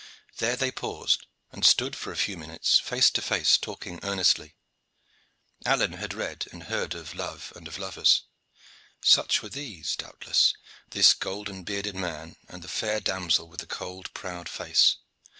There they paused, and stood for a few minutes face to face talking earnestly. Alleyne had read and had heard of love and of lovers. Such were these, doubtless this golden bearded man and the fair damsel with the cold, proud face.